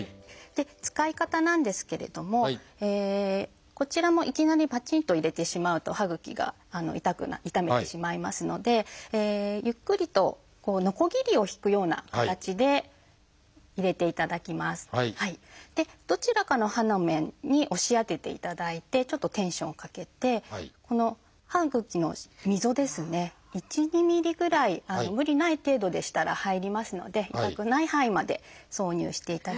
使い方なんですけれどもこちらもいきなりぱちんと入れてしまうと歯ぐきが傷めてしまいますのでどちらかの歯の面に押し当てていただいてちょっとテンションをかけてこの歯ぐきの溝１２ｍｍぐらい無理ない程度でしたら入りますので痛くない範囲まで挿入していただきまして。